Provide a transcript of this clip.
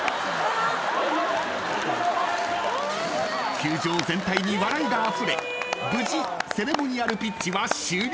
［球場全体に笑いがあふれ無事セレモニアルピッチは終了］